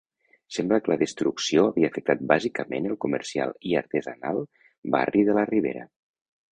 Sembla que la destrucció havia afectat bàsicament el comercial i artesanal barri de la Ribera.